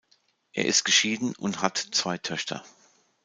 Er ist geschieden und hat zwei Töchter.